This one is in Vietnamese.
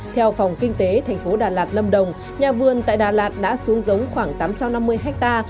theo phòng kinh tế thành phố đà lạt lâm đồng nhà vườn tại đà lạt đã xuống giống khoảng tám trăm năm mươi ha